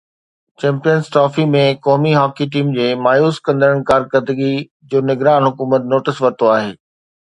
Champions trophy ۾ قومي hockey team جي مايوس ڪندڙ ڪارڪردگي جو نگران حڪومت نوٽيس ورتو آهي.